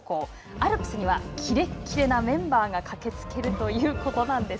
アルプスには、キレキレなメンバーが駆けつけるということなんです。